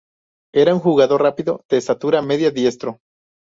Era un jugador rápido, de estatura media, diestro.